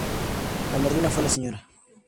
La madrina fue la Sra.